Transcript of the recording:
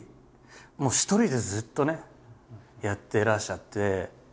一人でずっとねやっていらっしゃって。